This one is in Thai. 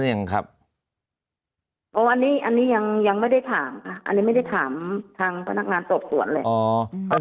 อันนี้ยังไม่ได้ถามอันนี้ไม่ได้ถามทางพนักงานตรวจส่วนเลย